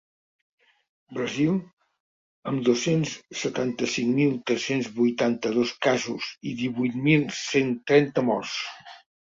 Brasil, amb dos-cents setanta-cinc mil tres-cents vuitanta-dos casos i divuit mil cent trenta morts.